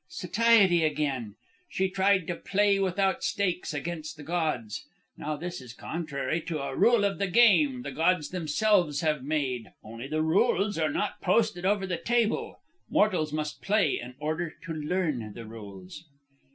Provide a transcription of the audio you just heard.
Satiety again! She tried to play without stakes against the gods. Now this is contrary to a rule of the game the gods themselves have made. Only the rules are not posted over the table. Mortals must play in order to learn the rules.